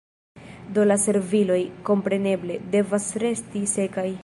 Do la serviloj, kompreneble, devas resti sekaj.